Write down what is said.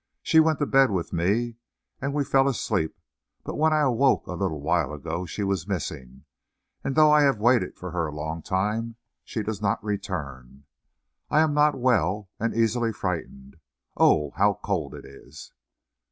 She went to bed with me, and we fell asleep; but when I woke a little while ago she was missing, and though I have waited for her a long time, she does not return. I am not well, and easily frightened! Oh, how cold it is."